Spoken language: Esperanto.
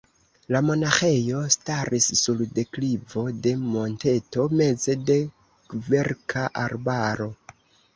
La monaĥejo staris sur deklivo de monteto, meze de kverka arbaro.